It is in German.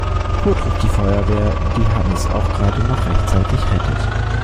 Kurt ruft die Feuerwehr, die Hannes auch gerade noch rechtzeitig rettet.